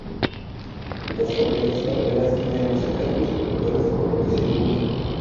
Dos corrientes paralelas tienden a acercar los conductores por los que circulan.